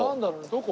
どこ？